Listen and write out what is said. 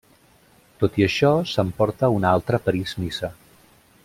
Tot i això, s'emporta una altra París-Niça.